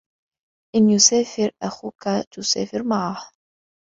إِنْ يُسَافِرْ أَخُوكَ تُسَافِرْ مَعَهُ.